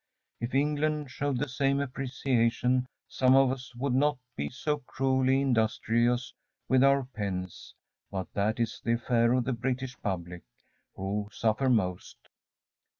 If England showed the same appreciation, some of us would not be so cruelly industrious with our pens; but that is the affair of the British public, who suffer most.